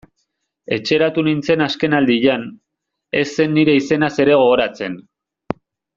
Etxeratu nintzen azken aldian, ez zen nire izenaz ere gogoratzen...